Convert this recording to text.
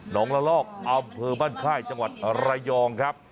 น้องละลอกอำเภอบ้านไข้จังหวัดระยองครับ